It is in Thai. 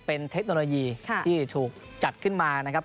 เป็นเทคโนโลยีที่ถูกจัดขึ้นมานะครับ